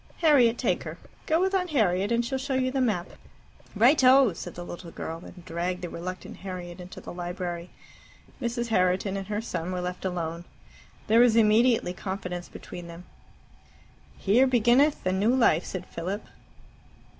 Harriet, take her. Go with Aunt Harriet, and she'll show you the map." "Righto!" said the little girl, and dragged the reluctant Harriet into the library. Mrs. Herriton and her son were left alone. There was immediately confidence between them. "Here beginneth the New Life," said Philip.